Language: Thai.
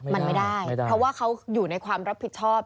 มันไม่ได้เพราะว่าเขาอยู่ในความรับผิดชอบ